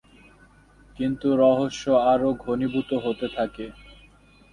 কিন্তু রহস্য আরো ঘনীভূত হতে থাকে।